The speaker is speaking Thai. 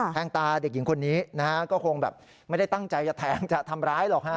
งตาเด็กหญิงคนนี้นะฮะก็คงแบบไม่ได้ตั้งใจจะแทงจะทำร้ายหรอกฮะ